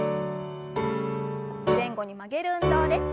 前後に曲げる運動です。